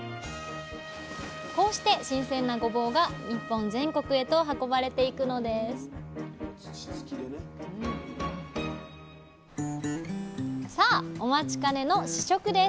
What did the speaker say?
こうして新鮮なごぼうが日本全国へと運ばれていくのですさあお待ちかねの試食です！